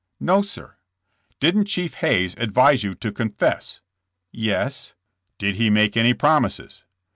"No, sir." "Didn't Chief Hayes advise you to confess?" "Yes." "Did he make any promises?"